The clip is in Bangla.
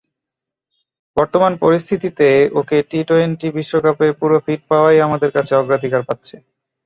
বর্তমান পরিস্থিতিতে ওকে টি-টোয়েন্টি বিশ্বকাপে পুরো ফিট পাওয়াই আমাদের কাছে অগ্রাধিকার পাচ্ছে।